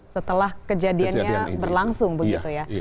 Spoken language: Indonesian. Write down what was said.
setelah kejadiannya berlangsung begitu ya